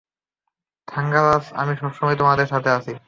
থাঙ্গারাজ, আমি সবসময় তোমার সাথে আছি।